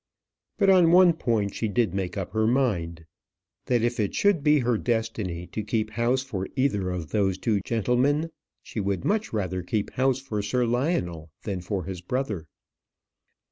But on one point she did make up her mind, that if it should be her destiny to keep house for either of those two gentlemen, she would much rather keep house for Sir Lionel than for his brother.